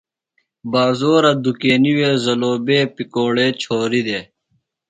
بازورہ دُکینی وے زلوبے، پکوڑے چھوریۡ دےۡ۔